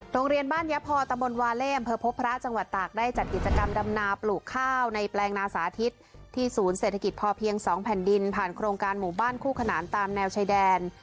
โรงเรียนบ้านยะพอตะบนวาเล่อำเภอพบพระจังหวัดตากได้จัดกิจกรรมดำนาปลูกข้าวในแปลงนาสาธิตที่ศูนย์เศรษฐกิจพอเพียง๒แผ่นดินผ่านโครงการหมู่บ้านคู่ขนานตามแนวชายแดน